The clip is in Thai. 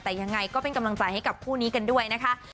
แต่ยังไงก็เป็นกำลังใจให้กับคู่นี้กันด้วยนะคะ